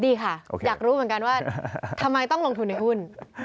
ดีค่ะอยากรู้เหมือนกันว่าทำไมต้องลงทุนในหุ้น